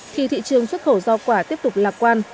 thì thị trường xuất khẩu giao quả tiếp tục lạc quan